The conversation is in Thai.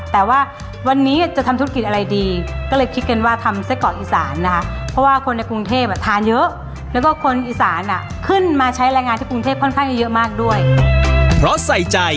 แต่ว่าวันนี้จะทำธุรกิจอะไรดีก็เลยคิดกันว่าทำไส้เกาะอีสานนะคะ